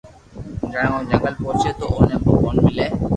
جڻي او جنگل پوچي تو اوني ڀگوان ملي